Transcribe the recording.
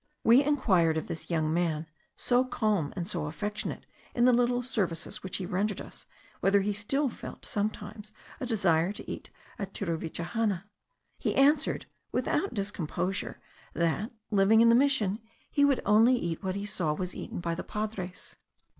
We inquired of this young man, so calm and so affectionate in the little services which he rendered us, whether he still felt sometimes a desire to eat of a Cheruvichahena. He answered, without discomposure, that, living in the mission, he would only eat what he saw was eaten by the Padres.